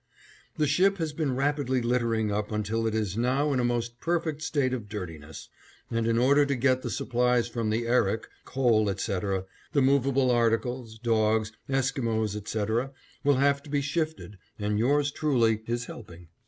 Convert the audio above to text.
The ship has been rapidly littering up until it is now in a most perfect state of dirtiness, and in order to get the supplies from the Erik, coal, etc., the movable articles, dogs, Esquimos, etc., will have to be shifted and yours truly is helping.